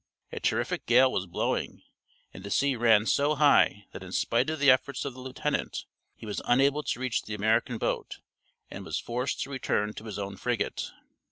A terrific gale was blowing, and the sea ran so high that in spite of the efforts of the lieutenant he was unable to reach the American boat and was forced to return to his own frigate.